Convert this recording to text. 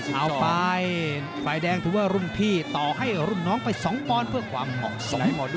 เอาไปฝ่ายแดงถือว่ารุ่นพี่ต่อให้รุ่นน้องไป๒ปอนด์เพื่อความเหมาะสมหมด